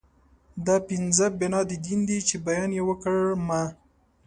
دا پنځه بنا د دين دي چې بیان يې وکړ ما